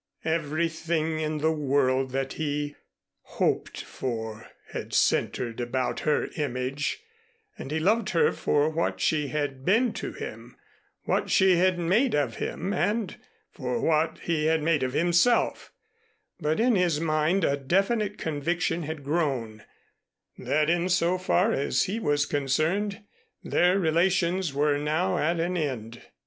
Everything in the world that he hoped for had centered about her image, and he loved her for what she had been to him, what she had made of him and for what he had made of himself, but in his mind a definite conviction had grown, that in so far as he was concerned their relations were now at an end.